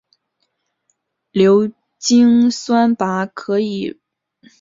硫氰酸钯可由硝酸钯或氯化钯和硫氰酸铵溶液反应得到。